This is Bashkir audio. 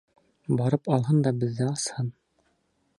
Барып алһын да беҙҙе асһын!